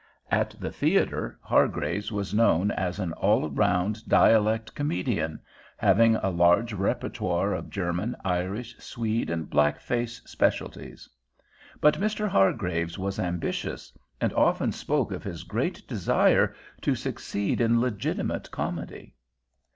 At the theater Hargraves was known as an all round dialect comedian, having a large repertoire of German, Irish, Swede, and black face specialties. But Mr. Hargraves was ambitious, and often spoke of his great desire to succeed in legitimate comedy.